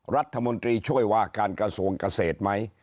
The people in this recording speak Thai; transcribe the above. รัฐมนตรีช่วยว่าการกระทรวงเกษตรไหม